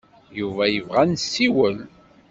Yuba yebɣa ad nessiwel.